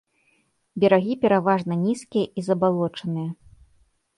Берагі пераважна нізкія і забалочаныя.